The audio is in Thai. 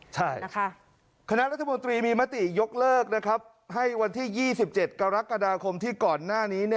ใช่นะคะคณะรัฐมนตรีมีมติยกเลิกให้วันที่๒๗กรกฎาคมที่ก่อนหน้านี้